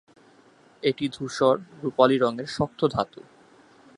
এটি ধূসর-রূপালি রঙের শক্ত ধাতু।